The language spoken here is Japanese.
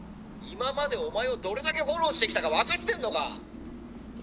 「今までお前をどれだけフォローしてきたか分かってんのか？」。